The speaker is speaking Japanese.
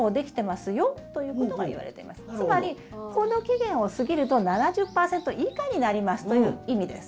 つまりこの期限を過ぎると７０％以下になりますという意味です。